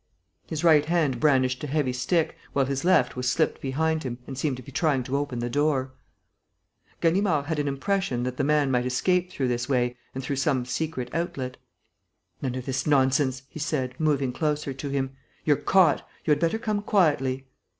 His right hand brandished a heavy stick, while his left was slipped behind him and seemed to be trying to open the door. Ganimard had an impression that the man might escape through this way and through some secret outlet: "None of this nonsense," he said, moving closer to him. "You're caught.... You had better come quietly."